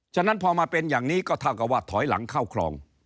ฉะนั้นพอมาเป็นอย่างนี้ก็เท่ากับว่าถอยหลังเข้าคลอง